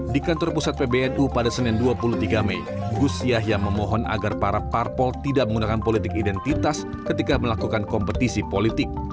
di kantor pusat pbnu pada senin dua puluh tiga mei gus yahya memohon agar para parpol tidak menggunakan politik identitas ketika melakukan kompetisi politik